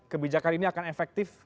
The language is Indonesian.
kebijakan ini akan efektif